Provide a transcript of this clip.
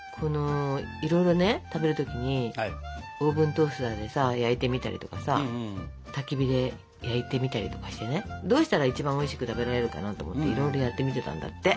いろいろね食べる時にオーブントースターでさ焼いてみたりとかさたき火で焼いてみたりとかしてねどうしたら一番おいしく食べられるかなと思っていろいろやってみてたんだって。